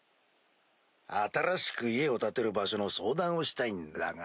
新しく家を建てる場所の相談をしたいんだが。